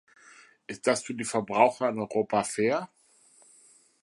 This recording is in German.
Ist das für die Verbraucher in Europa fair?